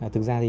thực ra thì